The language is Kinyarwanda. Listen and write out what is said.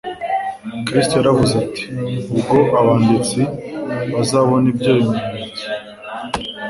Kristo yaravuze ati: Ubwo abanditsi bazabona ibyo bimenyetso